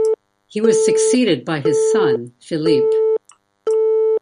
He was succeeded by his son, Philippe.